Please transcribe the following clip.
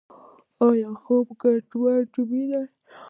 ایا خوب ګډوډ وینئ؟